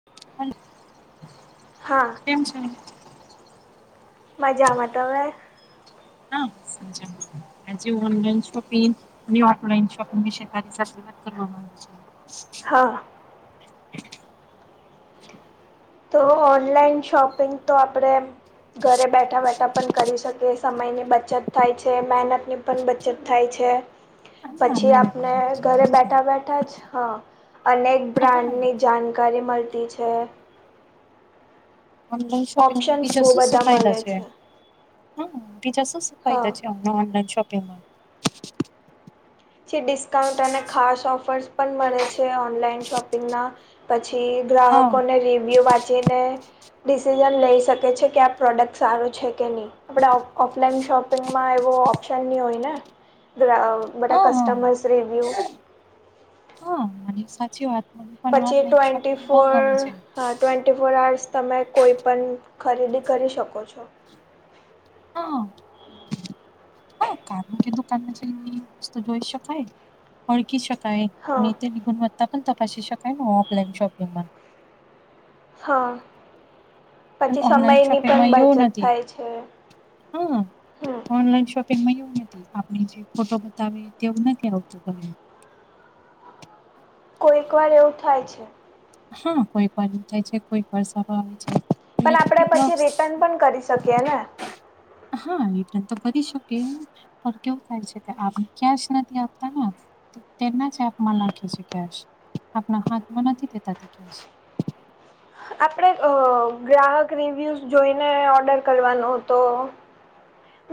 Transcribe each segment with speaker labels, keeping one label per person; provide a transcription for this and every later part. Speaker 1: [inaudible]
Speaker 2: હાલો
Speaker 1: હા.
Speaker 2: કેમ છે?
Speaker 1: મજામાં તમે?
Speaker 2: હા [unintelligible] આજે ઓનલાઈન શોપિંગ અને ઓફલાઈન શોપિંગ વિશે તારી શરૂઆત કરવા માંગુ છે.
Speaker 1: હા. તો ઓનલાઈન શોપિંગ તો આપણેે ઘરે બેઠા બેઠા પણ કરી શકે સમયની બચત થાય છે, મહેનતની પણ બચત થાય છે,
Speaker 2: હા
Speaker 1: પછી
Speaker 2: મહેનત
Speaker 1: આપને
Speaker 2: ની બચત
Speaker 1: ઘરે
Speaker 2: થાય છે.
Speaker 1: બેઠા બેઠા જ હ અનેક
Speaker 2: હા
Speaker 1: બ્રાન્ડની જાણકારી મલતી છે.
Speaker 2: ઓનલાઈન શોપિંગમાં
Speaker 1: ઓપ્શન્સ
Speaker 2: બીજા
Speaker 1: બહુ
Speaker 2: સુ સુ
Speaker 1: બધા
Speaker 2: ફાયદા
Speaker 1: મળે
Speaker 2: છે? હા બીજા શું શું
Speaker 1: હા
Speaker 2: ફાયદા છે, અમને ઓનલાઈન શોપિંગમાં
Speaker 1: જે ડિસ્કાઉન્ટ અને ખાસ ઓફર્સ પણ મળે છે, ઓનલાઈન શોપિંગના પછી
Speaker 2: હા
Speaker 1: ગ્રાહકોને રિવ્યૂ વાંચીને ડિસિઝન લઈ શકે છે, કે આ પ્રોડક્ટ સારું છે, કે ની આપણે ઓ ઓફલાઈન શોપિંગમાં એવો ઓપ્શન ની હોય ને બધા
Speaker 2: હા હા
Speaker 1: કસ્ટમર્સ. રિવિ્યુ.
Speaker 2: હા મને સાચી વાત પણ
Speaker 1: પછી
Speaker 2: ઓનલાઈન શોપિંગ
Speaker 1: ટ્વેન્ટી
Speaker 2: બહુ
Speaker 1: ફોર
Speaker 2: ગમે છે.
Speaker 1: હા ટ્વે ન્ટી ફોર આર્સ તમે કોઈપણ ખરીદી કરી શકો છો
Speaker 2: હા. હા કારણ કે દુકાનમાં જઈને વસ્તુ જોઈ શકાય અળકી શકાય
Speaker 1: હા
Speaker 2: અને તે નિભન વચત્તા પણ તપાસ શકાય ઓફલાઈન શોપિંગ માં
Speaker 1: હા
Speaker 2: પણ
Speaker 1: પછી
Speaker 2: ઓનલાઈન
Speaker 1: સમયની પણ
Speaker 2: શોપિંગમાં એવું
Speaker 1: બચત
Speaker 2: નથી
Speaker 1: થાય છે.
Speaker 2: હા
Speaker 1: હમ
Speaker 2: ઓનલાઈન શો પીગમાં એવું નથી આપણે જે ફોટો બતાવે તેવું નથી આવતું
Speaker 1: કોઈક વાર એવું થાય છે.
Speaker 2: હા કોઈક વાર થાય છે, કોઈક સારો આવે છે.
Speaker 1: પણ આપડે
Speaker 2: ઇલેક્ટ્રિક
Speaker 1: પછી
Speaker 2: બોક્સ
Speaker 1: રિટર્ન પણ કરી શકીએ ને
Speaker 2: હા રીતન તો કરી શકે પણ કેવું થાય છે, કે આપને કેશ નથી આપતા ને? તેના જ હાથમાં નાખે છે, કેશ આપના હાથમાં નથી દેતા તે કેશ
Speaker 1: આપણે અ ગ્રાહક રિવ્યુઝ જોઈને ઓર્ડર કરવાનો હતો.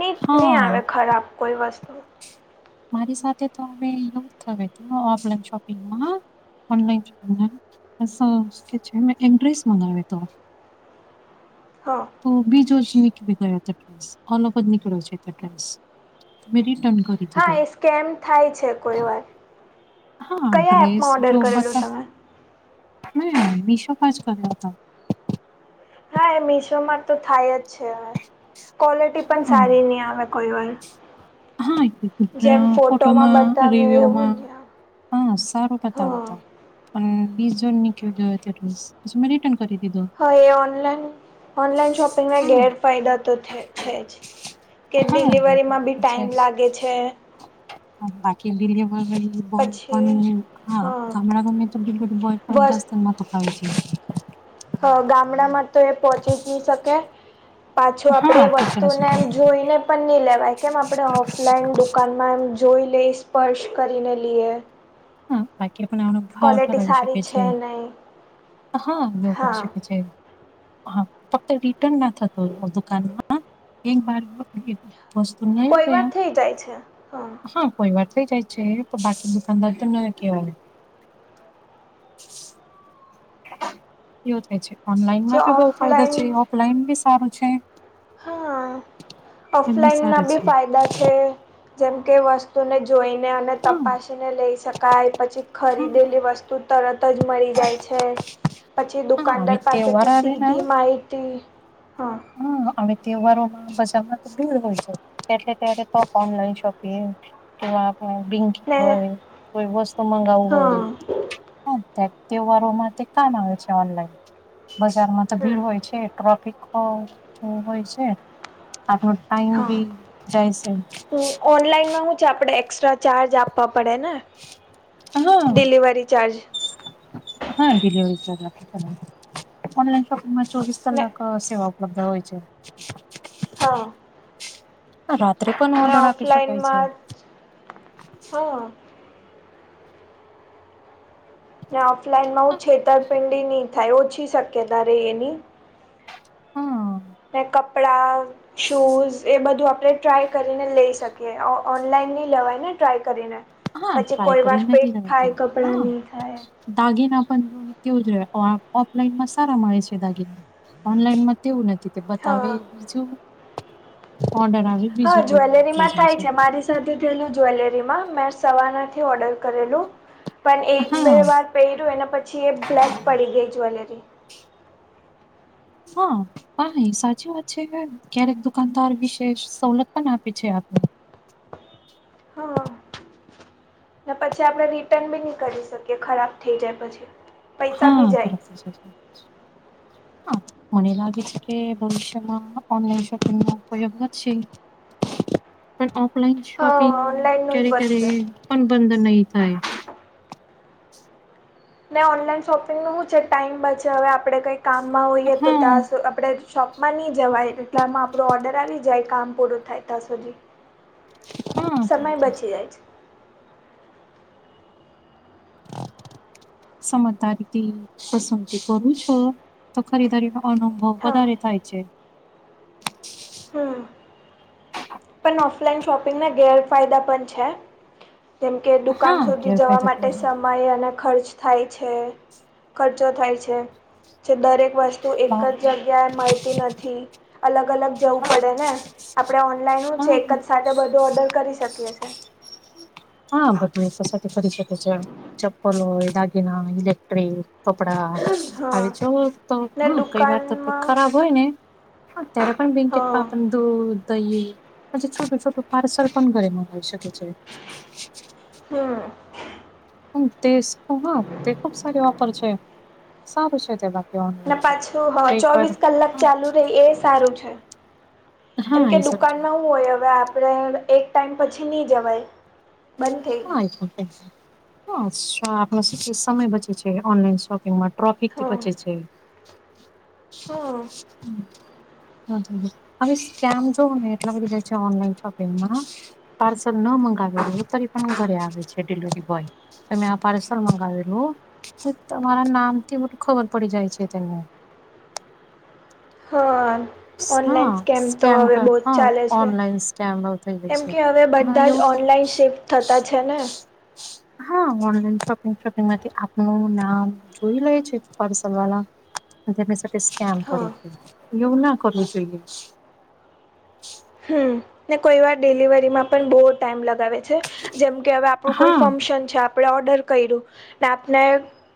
Speaker 1: ની ની
Speaker 2: હા
Speaker 1: આવે ખરાબ કોઈ વસ્તુ
Speaker 2: મારી સાથે તો અમે યુઝ થયો હતો ઓફલાઈન શોપિંગમાં ઓનલાઈન શોપિંગ [unintelligible] એડ્રેસ મંગાવ્યો હતો
Speaker 1: હ.
Speaker 2: તો બી જો [unintelligible] ગયા ડ્રેસ ઓલ ઓવર નીકળ્યો છે, ડ્રેસ મે રીટન
Speaker 1: હા એ સ્કેમ થાય છે, કોઈ વાર
Speaker 2: હા
Speaker 1: કયા
Speaker 2: ડ્રેસ
Speaker 1: એપમાં ઓર્ડર કરેલું તમે?
Speaker 2: મે મીશો [unintelligible] હતો
Speaker 1: હા એ મીશોમાં તો થાય જ છે, હવે ક્વોલિટી પણ
Speaker 2: હા
Speaker 1: સારી ની આવે કોયવાર.
Speaker 2: હા ફોટોમાં
Speaker 1: બતાવે એવું
Speaker 2: રિવ્યુમાં
Speaker 1: નહીં આવે
Speaker 2: હા સારું બતાવે
Speaker 1: હા
Speaker 2: તા પણ વીસ [unintelligible] પછી મેં રિટર્ન કરી દીધું
Speaker 1: હા એ ઓનલાઈન ઓનલાઈન શોપિંગને
Speaker 2: હા
Speaker 1: ગેરફાયદા તો છે, જ કે
Speaker 2: હા એટલે
Speaker 1: ડિલિવરીમાં બી
Speaker 2: પછી
Speaker 1: ટાઈમ લાગે છે.
Speaker 2: બાકી ડલિવરી બોય
Speaker 1: પછી
Speaker 2: પણ હા ગામડા ગમે તો ડિલિવરી બોય
Speaker 1: બસ
Speaker 2: [inaudible] છે.
Speaker 1: હ ગામડામાં તો એ પહોંચી જ. શકે પાછો
Speaker 2: હા
Speaker 1: આપણે
Speaker 2: પૂછે
Speaker 1: વસ્તુને
Speaker 2: છે
Speaker 1: એમ જોઈને. પણ નહી લેવાય કેમ આપણે ઓફલાઈન દુકાનમાં એમ જોઈ લઈ સ્પર્શ કરીને લઈએ.
Speaker 2: હા, બાકી પણનો ભાવ
Speaker 1: ક્વોલિટી
Speaker 2: ઠરાવી
Speaker 1: સારી
Speaker 2: શકે છે
Speaker 1: નહીં
Speaker 2: હા કરી
Speaker 1: હા
Speaker 2: શકે છે. હા ફક્ત રિટર્ન ના થતો હો દુકાનમાં એક બાર વસ્તુ નહી
Speaker 1: કોઈ વાર
Speaker 2: બેયાર
Speaker 1: થઈ જાય છે
Speaker 2: હા કોઈ વાર થઈ જાય છે પણ બાકી દુકાનદાર તો ન કેવાય એવું છે
Speaker 1: જે
Speaker 2: ઓનલાઈનમાં બી બહુ ફાયદા
Speaker 1: ઓફલાઈન
Speaker 2: છે ઓફલાઈન બી સારું છે.
Speaker 1: હા
Speaker 2: બંને
Speaker 1: ઓફલાઈન ના
Speaker 2: સારા
Speaker 1: બી
Speaker 2: છે.
Speaker 1: ફાયદા છે જેમ કે વસ્તુ વતુને જોઈને અને
Speaker 2: હા,
Speaker 1: તપાસીને લઈ શકાય પછી
Speaker 2: હા,
Speaker 1: ખરીદેલી વસ્તુ તરત જ મળી જાય છે પછી
Speaker 2: હા, હવે
Speaker 1: દુકાનદાર
Speaker 2: તહેવાર
Speaker 1: પાસેથી
Speaker 2: આવે ને
Speaker 1: સીધી માહિતી હા
Speaker 2: હા હવે તહેવારોમાં બજારમાં તો ભીડ હોય છે એટલે ત્યારે તો ઓનલાઈન શોપિંગ કે આપ બિન્ટ
Speaker 1: ને
Speaker 2: હોય કોઈ વસ્તુ મગાવું
Speaker 1: હા
Speaker 2: હોય તહેવારોમાં કાન આવે છે ઓનલાઈન બજારમાં તો ભીડ
Speaker 1: હમ
Speaker 2: હોય છે ટ્રોફિક હ હોય છે ટાઈમ
Speaker 1: હા
Speaker 2: બી જાય છે.
Speaker 1: ઓનલાઈનમાં હું છે આપણે એક્સ્ટ્રા ચાર્જ આપવા પડે ને
Speaker 2: હા
Speaker 1: ડિલિવરી ચાર્જ
Speaker 2: હા ડિલિવરી ચાર્જ લખી ઓનલાઈન શોપિંગમાં ચોવીસ
Speaker 1: ને
Speaker 2: કલાક સેવા ઉપલબ્ધ હોય છે
Speaker 1: હા
Speaker 2: હા રાત્રે. પણ
Speaker 1: ના
Speaker 2: ઓર્ડર આપી શકાય છે
Speaker 1: ઓફલાઈનમાં જ હા ને ઓફલાઈનમાં હું છેતરપિંડી નહી થાય ઓછી શક્યતા રે એની
Speaker 2: હા
Speaker 1: મે કપડા શૂઝ એ બધું આપણે ટ્રાય કરીને લઈ શકીએ ઓનલાઈન નહી લેવાય ને ટ્રાય કરીને
Speaker 2: હા
Speaker 1: પછી
Speaker 2: ટ્રાય
Speaker 1: કોઈ વાર
Speaker 2: કરીને નથી
Speaker 1: પેટ
Speaker 2: રહ્યો
Speaker 1: થાય કપડાં
Speaker 2: હા
Speaker 1: નહી થાય
Speaker 2: દાગીના પણ જો કેવું જો ઓફલાઈન માં સારા મળે છે દાગીના ઓનલાઈનમાં તેવું નથી તે બતાવે
Speaker 1: હા
Speaker 2: બીજું ઓર્ડર આવી
Speaker 1: હા જ્વેલરી માં થાય છે મારી સાથે થયેલું જ્વેલરીમાં મેં સવારનાથી ઓર્ડર કરેલું પણ એક
Speaker 2: હા
Speaker 1: બે વાર પહેર્યું એ અને પછી એ બ્લેક પડી ગઈ જ્વેલરી
Speaker 2: હા હા એ સાચી વાત છે ક્યારેક દુકાનદાર વિશે સવલત પણ આપે છે આપણે
Speaker 1: હા ને પછી આપડણે રિટર્ન બી નહી કરી શકીએ ખરાબ થઈ જાય પછી. પૈસા બી
Speaker 2: હા
Speaker 1: જાય
Speaker 2: સર
Speaker 1: [inaudible]
Speaker 2: હ મને લાગે છે કે ભવિષ્યમાં અન સપ પ્રયો ભ છે
Speaker 1: [inaudible]
Speaker 2: પણ ઓફલાઈન શોપિંગ
Speaker 1: હા ઓનલાઈનનું જ
Speaker 2: ક્યારે ક્યારે
Speaker 1: વધશે
Speaker 2: પણ બંધ નહી થાય
Speaker 1: નને ઓનલાઈન શોપિંગ નું શું છે ટાઈમ બ છે હવે આપણે કઈ કામમાં હોઈએ તો
Speaker 2: હા
Speaker 1: ત્યાં આપણે શોપમાં નહી જવાય એટલે આમાં આપણો ઓર્ડર આવી જાય કામ પૂરું થાય ત્યાં સુધી સમય
Speaker 2: હા
Speaker 1: બચી જાય છે. [inaudible]
Speaker 2: સમજદારીથી પસંદગી કરું છું તો ખરીદારીનો અનુ બહુ
Speaker 1: હા
Speaker 2: વધારે થાય છે
Speaker 1: હા. પણ ઓફલાઈન શોપિંગના ગેરફાયદા પણ છે. જેમ કે દુકાન
Speaker 2: હા
Speaker 1: સુધી જવા
Speaker 2: ગેરફાયદો
Speaker 1: માટે
Speaker 2: પણ છે
Speaker 1: સમય અને ખર્ચ થાય છે ખર્ચો થાય છે જે દરેક વસ્તુ
Speaker 2: હા
Speaker 1: એક જ જગ્યાએ મળતી નથી અલગ અલગ જવું પડે ને આપણે ઓનલાઈન છે
Speaker 2: હા, હા.
Speaker 1: એક જ સાથે બધું ઓર્ડર કરી શકીએ છે
Speaker 2: હા ભગને સાથે પરીષદ છે ચપલ એાગના લેકટ્રિક કપડા હવે
Speaker 1: હા
Speaker 2: જવ તો
Speaker 1: ને
Speaker 2: હા કઈ વાર તો
Speaker 1: દુકાનમાં
Speaker 2: ખરાબ હોય ને હ ત્યારે પણ
Speaker 1: હ
Speaker 2: ભિંકીપ દૂધ દહી પછી છોટું છોટું પાર્સલ પણ ઘરે મંગવી શકે છે [inaudible]
Speaker 1: હમ
Speaker 2: તે હા તે ખુબ સારી વાપર છે સારું છે તેપ
Speaker 1: ને પાછું હા ચોવીસ કલાક
Speaker 2: હા
Speaker 1: ચાલુ રહી એ સારું છે
Speaker 2: હા આ સ
Speaker 1: દુકાન નવું હોય હવે આપણે એક ટાઈમ પછી નહીં જવાય બંધ થઈ જાય.
Speaker 2: હા આપ શું સમય બચે છે ઓનલાઈન શોપિંગ માટે ટ્રોફિક થી
Speaker 1: હા
Speaker 2: પછી છે
Speaker 1: હા
Speaker 2: હમ હ હવે સ્કેમ જો એટલા બધી જાય છે ઓનલાઈન શોપિંગમાં પાર્સલ ન મંગાવે રહે ત ઘરે આવે છે ડિલિવરી બોય તમે આ પાર્સલ મંગાવેલું હો તમારા નામથી બધું ખબર પડી જાય છે તેને
Speaker 1: હ
Speaker 2: હા
Speaker 1: ઓનલાઈન સ્કેમ તો હવે બહ જ
Speaker 2: હા
Speaker 1: ચાલે છે
Speaker 2: ઓનલાઈન સ્કેમ થઈ ગઈ
Speaker 1: એમ
Speaker 2: છે
Speaker 1: કે હવે
Speaker 2: હા
Speaker 1: બધા જ
Speaker 2: એવું થાય
Speaker 1: ઓનલાઈન ચેક થતા છે ને
Speaker 2: હા ઓનલાઈન શોપિંગ શોપિંગ માંથી આપનું નામ જોઈ લે છે પારસલ વાલા તેમની સાથે સ્કેમ કરે
Speaker 1: હા
Speaker 2: છે એવું ના કરવું જોઈએ
Speaker 1: હમ ને કોઈ વાર ડિલિવરી માં પણ બહુ ટાઈમ લગાવે છે જેમ કે હવે આપણું કોઈ
Speaker 2: હા
Speaker 1: ફંક્શન છે આપણે ઓર્ડર કર્યું ને આપને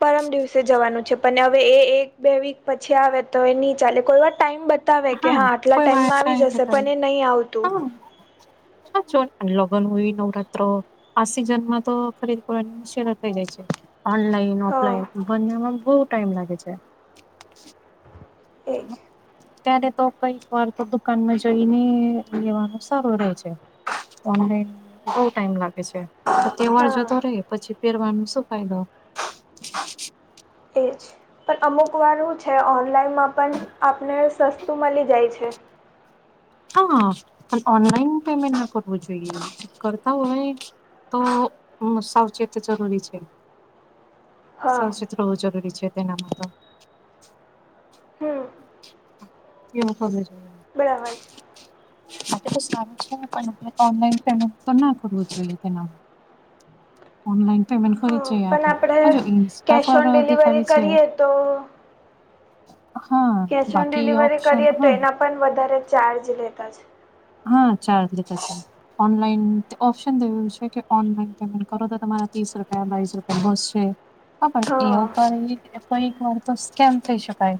Speaker 1: પરમ દિવસે જવાનું છે પણ હવે એ એક બે વીક પછી આવે તો એ નહી ચાલે કોઈ વાર ટાઈમ બ બવે કે હા આટલા
Speaker 2: કોઈ વા
Speaker 1: ટાઈમમાં આવી
Speaker 2: ટાઈમ
Speaker 1: જશે
Speaker 2: બતાવી
Speaker 1: પણ એ નહી આવતું
Speaker 2: હા જો અન લગન હોય નવરાત્રી આ સિઝન માં તો ખરીદ કરવાની મુશરો થઈ જાય છે ઓનલાઈન
Speaker 1: હા
Speaker 2: ઓફલાઈન બનમાં બહુ ટાઈમ લાગે છે
Speaker 1: એ જ
Speaker 2: ત્યારે તો કઈક વાર તો દુકાનમાં જઈને લેવાનું સારું રહેે છે ઓનલાઈન બહ ટાઈમ લાગે છે તહેવર
Speaker 1: હા
Speaker 2: જતો રહે પછી પહેરવાનો શું ફાયદો
Speaker 1: એ જ પણ અમુક વાર હું છે ઓનલાઈનમાં પણ આપને સસ્તું મળી જાય છે
Speaker 2: હા પણ ઓનલાઈન પેમેન્ટ ના કરવું જોઈએ કરતા હોય તો સાવચેત જરૂરી છે
Speaker 1: હા
Speaker 2: સાવચેત હોવું જરૂરી છે તેનામાં તો
Speaker 1: હમ
Speaker 2: એવ સ છે
Speaker 1: બનાવા છે
Speaker 2: આ તો સારું છે પણ ઓનલાઈન પેમેન્ટ તો ના કરવતલેના
Speaker 1: [inaudible]
Speaker 2: ઓનલાઈન પેમન્ટ કરી
Speaker 1: હા
Speaker 2: છે આપ
Speaker 1: પણ
Speaker 2: અજ
Speaker 1: આપણે
Speaker 2: ઈન્સ્ટા
Speaker 1: કેશ
Speaker 2: પર
Speaker 1: ઓન ડિલિવરી
Speaker 2: દેખાવી છે
Speaker 1: કરીએ તો
Speaker 2: હા
Speaker 1: કેશ ઓન
Speaker 2: બાકી
Speaker 1: ડિલિવરી
Speaker 2: ઓપ્શન
Speaker 1: કરીએ તો
Speaker 2: માં
Speaker 1: એના પણ વધારે ચાર્જ લેતા છે.
Speaker 2: હા ચાર્જ લેતા છે. ઓનલાઈન ઓપ્શન થયું છે કે ઓનલાઈન પેમેન્ટ કરો તો તમારા ત્રીસ રૂપિયા બીસ રૂપિયા બસશે. હા પણ એ કઈક વાર તો સ્કેમ થઈ શકાય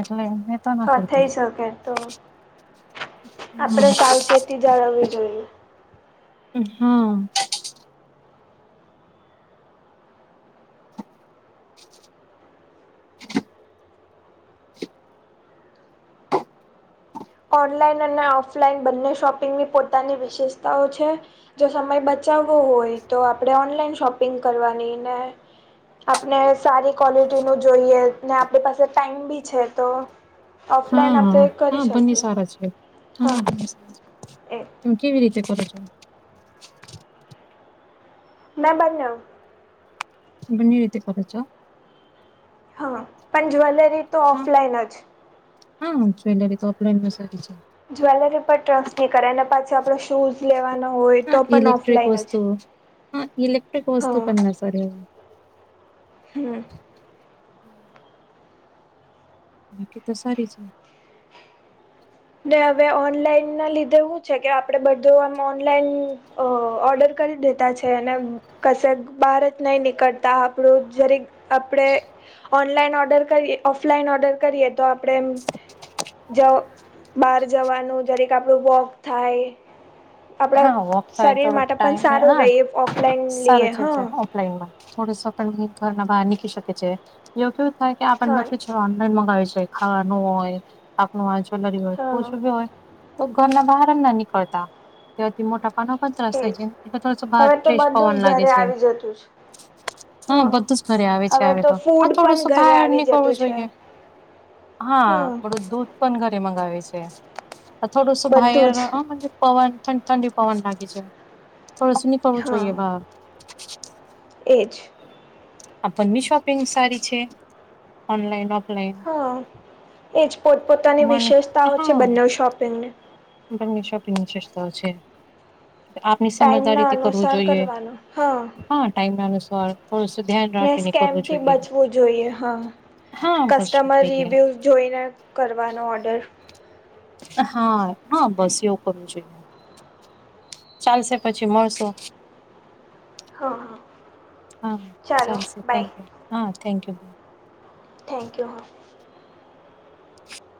Speaker 2: એટલે એમ
Speaker 1: હાં થઈ શકે તો આપડે સાવચેતી જાળવવી જોઈએ.
Speaker 2: હા
Speaker 1: ઓનલાઈન અને ઓફલાઈન બંને શોપિંગની પોતાની વિશેષતાઓ છે. જો સમય બચાવવો હોય તો આપણે ઓનલાઈન શોપિંગ કરવાની ને આપણે સારી ક્વલિટીનું જોઈએ ને આપણી પાસે ટાઈમ બી છે તો ઓફલાઈન
Speaker 2: હા
Speaker 1: આપ્ણે
Speaker 2: હા
Speaker 1: કરી શકી
Speaker 2: બંને સારા છે હા સાર
Speaker 1: એક
Speaker 2: ત કેવી રીતે કરો છો.
Speaker 1: મેં બાજુ
Speaker 2: બંને રીતે કરો જા
Speaker 1: હા પણ જ્વેલરી તો
Speaker 2: હા
Speaker 1: ઓફલાઈન જ
Speaker 2: હા જ્વેલરી તો ઓફલાઈનમાં સારી છે.
Speaker 1: જ્વેલરી પર ટ્રસ્ટ ની કરાય અને પાછી આપડ શૂઝ લેવાનો હોય તો પણ ઓફલાઈન જ
Speaker 2: હ એલેક્ટ્રિક વસ્તુ પ
Speaker 1: હા હમ
Speaker 2: બાકી તો સારી છે.
Speaker 1: ને હવે ઓનલાઈન ના લીધે હું છે કે આપડે બધું આમ ઓનલાઈન અ ઓર્ડર કરી દેતા છે એને કશે બહાર જ નહી નીકળતા આપણું જરીક આપણે ઓનલાઈન ઓર્ડર કરીએ ઓફલાઈન ઓર્ડર કરીએ તો આપણેે જો બહાર જવાનું જરેકે આપણું વોક થાય. આપડા
Speaker 2: હા વોક થાય
Speaker 1: શરીર
Speaker 2: થોડો
Speaker 1: માટે પણ
Speaker 2: ટાઈમ
Speaker 1: સારું
Speaker 2: હા
Speaker 1: રહીએ ઓફલાઈન
Speaker 2: સારું
Speaker 1: લઈએ
Speaker 2: છે છે
Speaker 1: હા.
Speaker 2: ઓફલાઈનમાં થોડસો ઘર બહાર નીકળ શકે છે એવ કેવું થાય કે આપને
Speaker 1: હા
Speaker 2: બું. ઓનલાઈન મગાવુ છે ખાવાનું હોય પાકનું હોય જ્વેલરી હોય
Speaker 1: હા
Speaker 2: ઓછું બી હોય. તો ઘરના બહાર ના નિકળતા. તેથી મોટા પાનો પણ ત્રાસ થાય
Speaker 1: એજ
Speaker 2: છે ને એટલે થોડોસો બહાર
Speaker 1: હવે તો
Speaker 2: ફ્રેશ
Speaker 1: બધું જ
Speaker 2: પવન લાગે
Speaker 1: ઘરે
Speaker 2: છે
Speaker 1: આવી જતું છે.
Speaker 2: હા બધું જ ઘરે આવે છે
Speaker 1: હવે
Speaker 2: આવે તો હ
Speaker 1: ફૂડ પણ
Speaker 2: થોડુંસું
Speaker 1: ઘરે
Speaker 2: બહાર
Speaker 1: આવી જતું
Speaker 2: નીકળવું
Speaker 1: છે.
Speaker 2: જોઈએ. હા બડું દૂધ ન ઘરે મગાવે છે થોડુંસું
Speaker 1: બધું
Speaker 2: ભાઈર
Speaker 1: જ
Speaker 2: પવન ઠંડી ઠંડી પવાનું લાગે છે થોડુ સુ નિકળવું જોઇએ બાહર
Speaker 1: એ જ
Speaker 2: આપણ મી શોપિંગ સારી છે ઓનલાઈન ઓફલાઈન.
Speaker 1: હ એજ પોતપોતાની
Speaker 2: મને
Speaker 1: વિશેષતાઓ છે બંને શોપિંગની.
Speaker 2: બને શોપિંગ ની વિશેષતાઓ છે. આપની
Speaker 1: ટાઈમના
Speaker 2: સમજદારીથી કરવું
Speaker 1: અનુસાર
Speaker 2: જોઈએ
Speaker 1: કરવાનો
Speaker 2: હા ટાઈમ અનુસાર. થોડું શું ધ્યાન
Speaker 1: ને
Speaker 2: રાખીને
Speaker 1: સ્કેમ
Speaker 2: કરવું
Speaker 1: થી
Speaker 2: જોઈએ
Speaker 1: બચવું જોઈએ હા
Speaker 2: હા બસ
Speaker 1: કસ્ટમર
Speaker 2: જોઈએ
Speaker 1: રિવ્યુ. જોઈને કરવાનો ઓર્ડર
Speaker 2: હા હા બસ એવું કરવું છે. ચાલશે પછી મળશું.
Speaker 1: હા હા
Speaker 2: હા
Speaker 1: ચાલો
Speaker 2: સરસ
Speaker 1: બાય
Speaker 2: થેન્ક્યુ હા થેન્ક્યુ.
Speaker 1: થેન્ક્યુ હા.